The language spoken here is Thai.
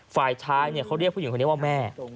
ฝ่ายชายเขาเรียกผู้หญิงคนนี้ว่าแม่